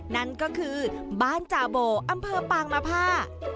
นั่นก็คือบ้านจาโบอำเภอปางมภา